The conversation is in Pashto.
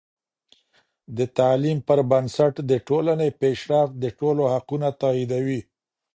د تعلیم پر بنسټ د ټولنې پیشرفت د ټولو حقونه تاییدوي.